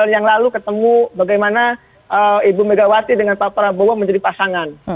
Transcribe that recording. dua ribu sembilan yang lalu ketemu bagaimana ibu megawati dengan pak prabowo menjadi pasangan